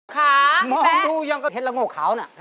ขาแป๊กมองดูยังก็เห็ดละโงค์ขาวน่ะ